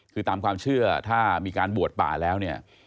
คือตามความเชื่อถ้ามีการบวชป่าแล้วเนี่ย